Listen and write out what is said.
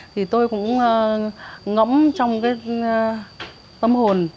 thì tôi cũng ngõm trong tâm hồn